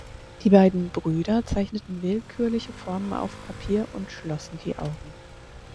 Die beiden Brüder zeichneten willkürliche Formen auf Papier und schlossen die Augen.